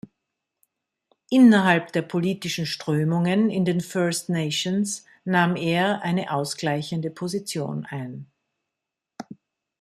Innerhalb der politischen Strömungen in den First Nations nahm er eine ausgleichende Position ein.